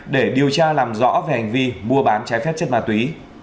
để điều tra làm rõ về hành vi mua bán trái phép chất ma túy